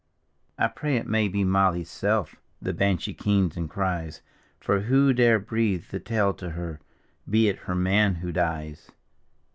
I pray it may be Molly's self The banshee keens and cries. For who dare breathe the tale to her, Be it her man who dies?